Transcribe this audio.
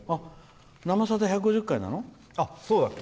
「生さだ」１５０回なの？